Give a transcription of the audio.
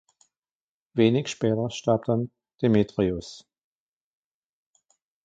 Wenig später starb dann Demetrius.